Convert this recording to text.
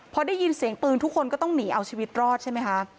พอได้ยินเสียงปืนทุกคนก็ต้องหนีเอาชีวิตรอดใช่ไหมคะ